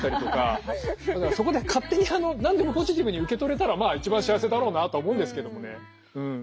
そこで勝手に何でもポジティブに受け取れたらまあ一番幸せだろうなとは思うんですけどもねうん。